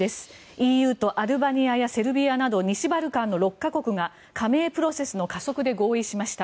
ＥＵとアルバニアやセルビアなど西バルカンの６か国が加盟プロセスの加速で合意しました。